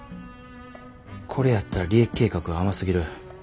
これやったら利益計画が甘すぎる。